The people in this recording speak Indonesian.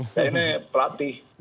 saya ini pelatih